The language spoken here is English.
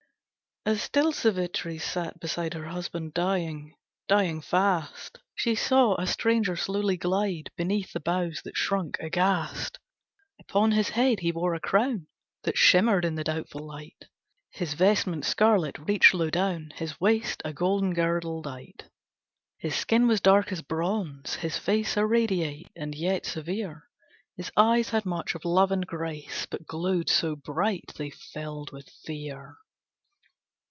As still Savitri sat beside Her husband dying, dying fast, She saw a stranger slowly glide Beneath the boughs that shrunk aghast. Upon his head he wore a crown That shimmered in the doubtful light; His vestment scarlet reached low down, His waist, a golden girdle dight. His skin was dark as bronze; his face Irradiate, and yet severe; His eyes had much of love and grace, But glowed so bright, they filled with fear.